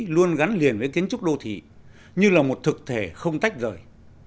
luôn gắn liền với kiến trúc đô thị như là một thực thể không tách rời